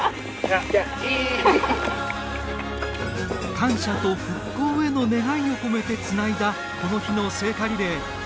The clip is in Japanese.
感謝と復興への願いを込めてつないだ、この日の聖火リレー。